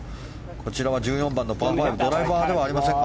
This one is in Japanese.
こちらは１４番のパー５ドライバーではありません。